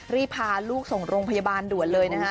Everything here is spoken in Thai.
รีบพาลูกส่งโรงพยาบาลด่วนเลยนะฮะ